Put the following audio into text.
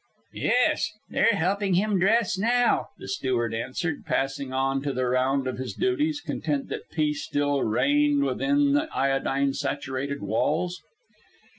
"Yes. They're helping him dress now," the steward answered, passing on to the round of his duties, content that peace still reigned within the iodine saturated walls.